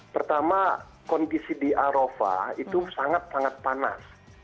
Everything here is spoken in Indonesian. pertama kondisi di arofa itu sangat sangat panas